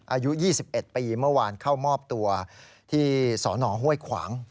อายุ๒๑ปีเมื่อวานเข้ามอบตัวที่สนห้วยขวาง